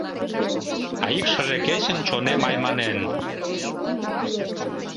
А ик шыже кечын чонем айманен.